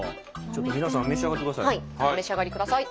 ちょっと皆さん召し上がってください。